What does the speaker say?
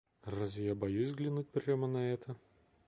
Разве я боюсь взглянуть прямо на это?